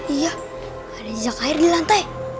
iya ada jejak air di lantai